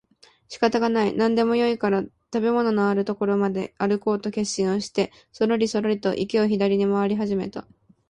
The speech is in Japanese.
仕方がない、何でもよいから食物のある所まであるこうと決心をしてそろりそろりと池を左に廻り始めた